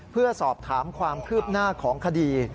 เพื่อสอบถามความคืบหน้าของคดี